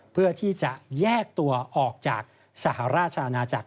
เพื่อที่จะแยกตัวออกจากสหราชอาณาจักร